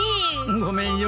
ごめんよ。